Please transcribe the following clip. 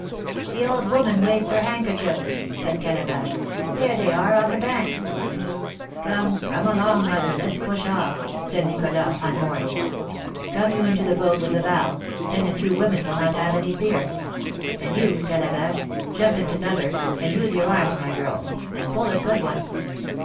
"The old woman waves her handkerchief," said Calabash; "there they are on the bank." "Come, come along, mother, let's push off," said Nicholas, unmooring. "Come you into the boat with the valve, then the two women will not have any fear; and you, Calabash, jump into t'other, and use your arms, my girl, and pull a good one.